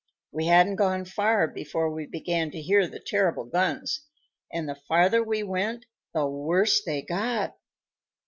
We hadn't gone far before we began to hear the terrible guns, and the farther we went, the worse they got.